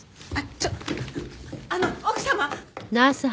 ちょっあの奥様！